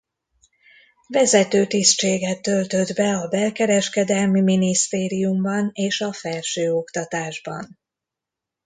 Vezető tisztséget töltött be a belkereskedelmi minisztériumban és a felsőoktatásban.